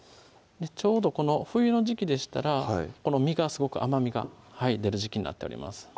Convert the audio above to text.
ちょうどこの冬の時季でしたらこの身がすごく甘みが出る時季になっております